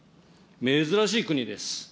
珍しい国です。